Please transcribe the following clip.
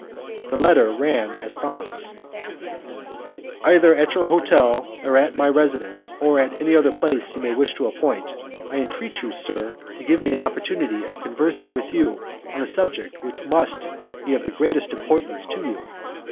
The letter ran as, follows: "Either at your hotel or at my residence, or at any other place you may wish to appoint, I entreat you, sir, to give me an opportunity of conversing with you on a subject which must be of the greatest importance to you.